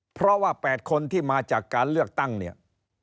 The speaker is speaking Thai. เพราะว่า๘คนที่มาจากการเลือกตั้งเนี่ย